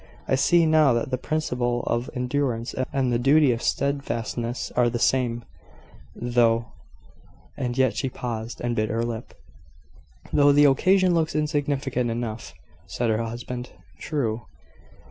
I see now that the principle of endurance and the duty of steadfastness are the same, though ." And yet she paused, and bit her lip. "Though the occasion looks insignificant enough," said her husband. "True.